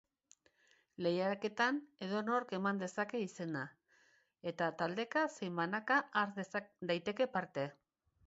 Lehiaketan edonork eman dezake izena, eta taldeka zein banaka har daiteke parte.